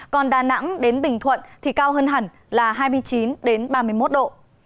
còn đà nẵng đến bình thuận thì cao hơn hẳn là hai mươi chín ba mươi một độ